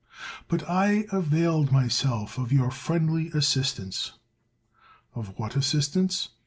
But I availed myself of your friendly assist ance. Of what assistance?